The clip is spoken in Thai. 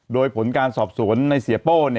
โดยผลการสอบสวนในเสียโป้